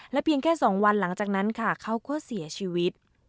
เพียงแค่๒วันหลังจากนั้นค่ะเขาก็เสียชีวิต